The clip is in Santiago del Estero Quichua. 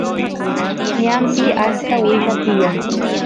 ñanpi achka willa tiyan